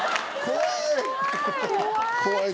怖い。